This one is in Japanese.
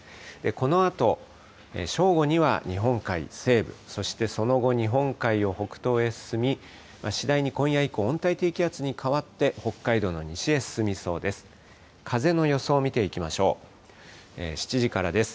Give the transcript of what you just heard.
このあと正午には日本海西部、そしてその後、日本海を北東へ進み、次第に今夜以降、温帯低気圧に変わって、北海道の西へ進みそうです。